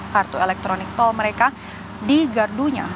kartu elektronik tol mereka di gardunya